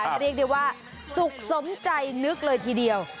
เรียกได้ว่าสุขสมใจนึกเลยทีเดียว